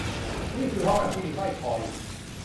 นี่คือห้องแล็ปที่มีสร้อยคออยู่